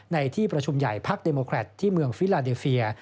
ในที่ประชุมใหญ่พักเดโมแครตที่เมืองฟิลาเดเฟีย